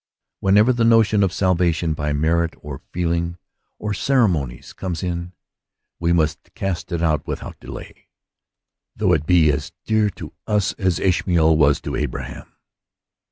Whenever the notion of salvation by merit, or feeling, or ceremonies comes in, we must cast it out without delay, though it be as dear to us as Ishmael was to Abraham.